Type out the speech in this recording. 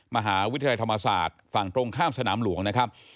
มหาวิทยาลัยธรรมศาสตร์ฝั่งตรงข้ามสนามหลวงนะครับ